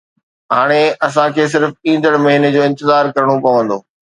هاڻي اسان کي صرف ايندڙ مهيني جو انتظار ڪرڻو پوندو